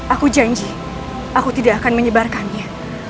aku janji aku tidak akan menyebarkannya